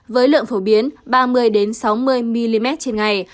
với lượng phổ biến ba mươi sáu mươi mm trên ngày